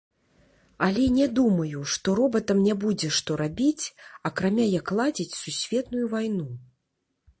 Але, не думаю, што робатам не будзе што рабіць, акрамя як ладзіць сусветную вайну.